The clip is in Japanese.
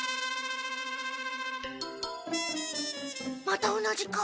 また同じ顔。